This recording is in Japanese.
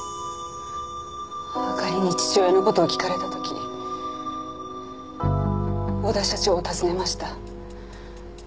あかりに父親の事を聞かれた時小田社長を訪ねました。